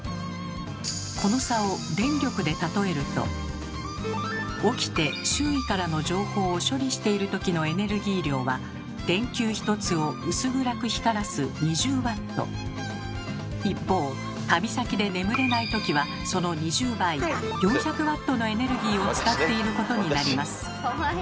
この差を起きて周囲からの情報を処理している時のエネルギー量は電球１つを薄暗く光らす一方旅先で眠れない時はその２０倍４００Ｗのエネルギーを使っていることになります。